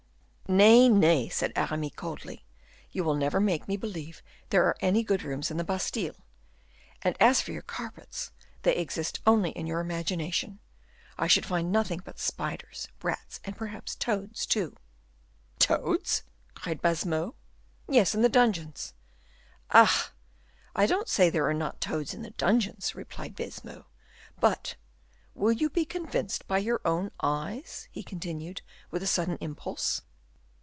"Nay, nay," said Aramis, coldly; "you will never make me believe there are any good rooms in the Bastile; and, as for your carpets, they exist only in your imagination. I should find nothing but spiders, rats, and perhaps toads, too." "Toads?" cried Baisemeaux. "Yes, in the dungeons." "Ah! I don't say there are not toads in the dungeons," replied Baisemeaux. "But will you be convinced by your own eyes?" he continued, with a sudden impulse.